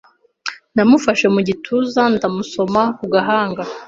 Namufashe mu gituza, ndamusoma ku gahanga.